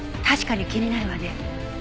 確かに気になるわね。